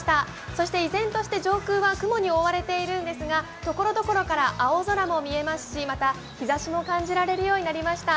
そして依然として上空は雲に覆われているんですが、所々から青空も見えますしまた日ざしも感じられるようになりました。